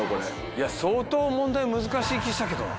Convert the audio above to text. いや相当問題難しい気したけど。